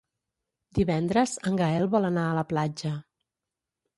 Divendres en Gaël vol anar a la platja.